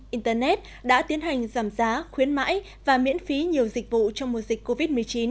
internet đã tiến hành giảm giá khuyến mãi và miễn phí nhiều dịch vụ trong mùa dịch covid một mươi chín